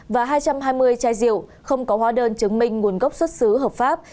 và hai trăm hai mươi chai rượu không có hóa đơn chứng minh nguồn gốc xuất xứ hợp pháp